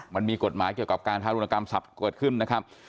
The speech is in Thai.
มันมีกฎหมายเกี่ยวกับการทารุณกรรมศัพท์เกิดขึ้นนะครับ